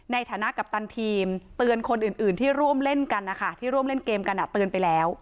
ในฐานะกัปตันทีมเตือนคนอื่นที่ร่วมเล่นกันนะคะที่ร่วมเล่นเกมกันเตือนไปแล้ว